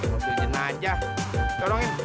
hei jangan datang